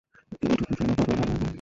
এই টুকুর জন্য পাপের ভাগী হইবে?